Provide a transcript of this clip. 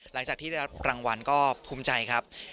หลังจากที่ได้รับรางวัลก็ภูมิใจครับ